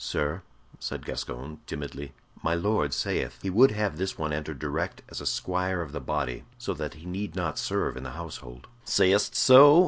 "Sir," said Gascoyne, timidly, "my Lord sayeth he would have this one entered direct as a squire of the body, so that he need not serve in the household." "Sayest so?"